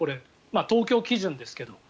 東京基準ですけど。